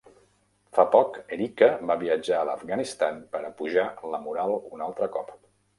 Fa poc, Ericka va viatjar a l'Afganistan per apujar la moral un altre cop.